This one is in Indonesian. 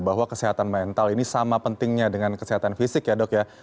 bahwa kesehatan mental ini sama pentingnya dengan kesehatan fisik ya dok ya